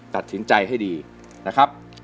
ตัดสินใจให้ดีนะครับ